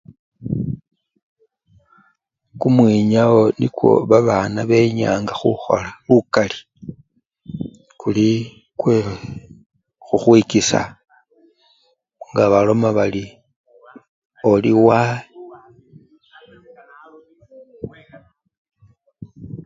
Kumwinyawo nikwo babana benyanga khukhola lukali kuli kwee khukhwikisa nga baloma bari oliwa.